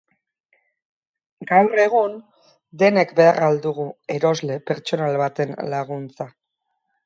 Gaur egun, denek behar al dugu erosle pertsonal baten laguntza?